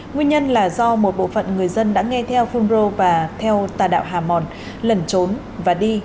nguyên nhân là do một bộ phận người dân đã nghe theo phun rô và theo tà đạo hà mòn lẩn trốn và đi